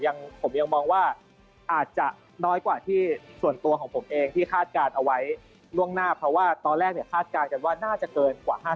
อันนี้ส่วนตัวจากการที่ได้มีโอกาสคาดการณ์ไว้